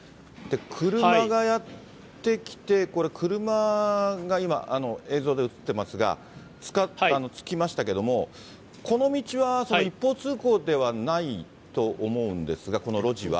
車がやって来て、これ車が今、映像で映ってますが、着きましたけども、この道は、一方通行ではないと思うんですが、この路地は。